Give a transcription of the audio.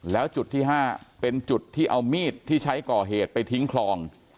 แล้วจุดที่๕เป็นจุดที่เอามีดที่ใช้ก่อเหตุไปทิ้งคลอง